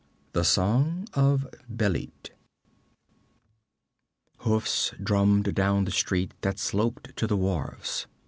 _ THE SONG OF BÊLIT Hoofs drummed down the street that sloped to the wharfs.